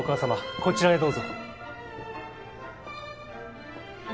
こちらへどうぞ。